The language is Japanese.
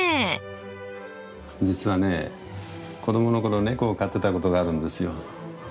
実はね子どもの頃猫を飼ってたことがあるんですよ。